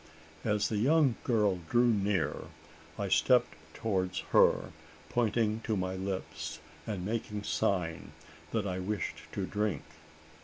As the young girl drew near, I stepped towards her pointing to my lips, and making sign that I wished to drink.